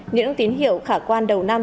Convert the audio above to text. những tín hiệu khả quan đầu năm